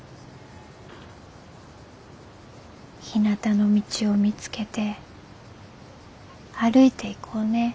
「ひなたの道を見つけて歩いていこうね。